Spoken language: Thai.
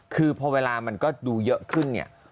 คือพอเวลามันก็ดูเยอะขึ้นเนี่ย